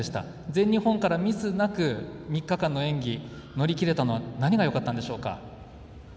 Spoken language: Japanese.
全日本からミスなく３日間の演技、乗り切れたのは何がよかったんでしょうか？